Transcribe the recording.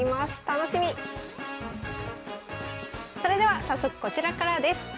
それでは早速こちらからです。